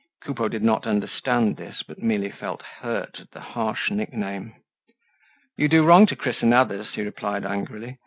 Coupeau did not understand this, but merely felt hurt at the harsh nickname. "You do wrong to christen others," he replied angrily.